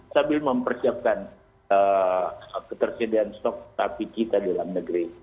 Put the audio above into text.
sambil mempersiapkan ketersediaan stok sapi kita di dalam negeri